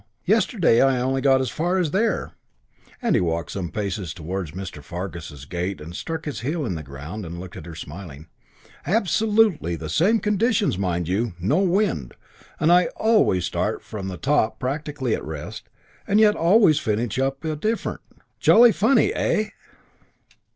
Yesterday I only got as far as here," and he walked some paces towards Mr. Fargus's gate and struck his heel in the ground and looked at her, smiling. "Absolutely the same conditions, mind you. No wind. And I always start from the top practically at rest; and yet always finish up different. Jolly funny, eh?"